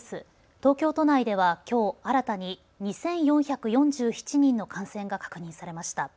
東京都内では、きょう新たに２４４７人の感染が確認されました。